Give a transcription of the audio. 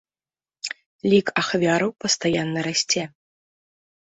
Лік ахвяраў пастаянна расце.